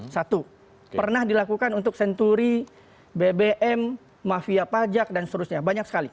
satu pernah dilakukan untuk senturi bbm mafia pajak dan seterusnya banyak sekali